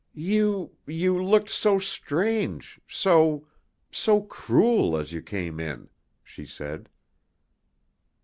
"You you looked so strange, so so cruel as you came in," she said.